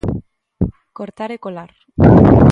Cortar e colar.